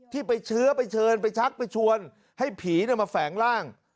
ที่ไปเชื้อไปเชิญไปชักไปชวนให้ผีมาแฝงร่าง